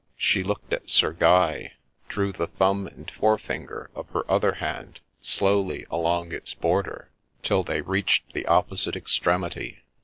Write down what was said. She looked at Sir Guy ; drew the thumb and forefinger of her other hand slowly along its border, till they reached the opposite extremity.